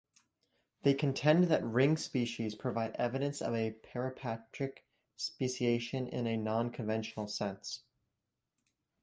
They contend that ring species provide evidence of parapatric speciation in a non-conventional sense.